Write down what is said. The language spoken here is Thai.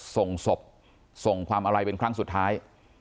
ส่งศพส่งความอะไรเป็นครั้งสุดท้าย